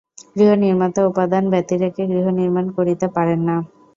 গৃহনির্মাতা উপাদান ব্যতিরেকে গৃহ নির্মাণ করিতে পারেন না।